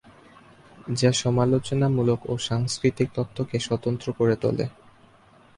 যা সমালোচনামূলক ও সাংস্কৃতিক তত্ত্বকে স্বতন্ত্র করে তোলে।